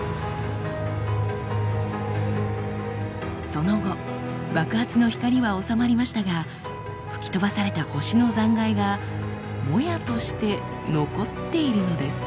その後爆発の光は収まりましたが吹き飛ばされた星の残骸がもやとして残っているのです。